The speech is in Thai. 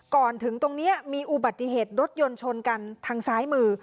ถึงตรงนี้มีอุบัติเหตุรถยนต์ชนกันทางซ้ายมือ